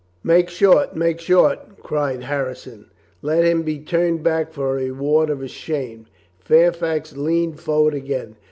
"Make short, make short!" cried Harrison. "Let him be turned back for a reward of his shame." Fairfax leaned forward again.